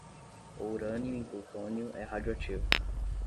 O urânio em plutônio é radioativo.